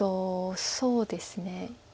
そうですね。